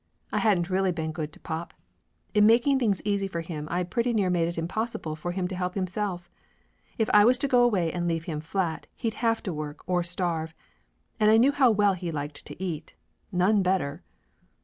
I hadn't really been good to pop. In making things easy for him I'd pretty near made it impossible for him to help himself. If I was to go away and leave him flat he'd have to work or starve, and I knew how well he liked to eat none better!